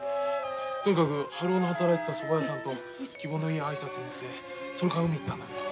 とにかく春男の働いてたそば屋さんと希望の家に挨拶に行ってそれから海行ったんだけど。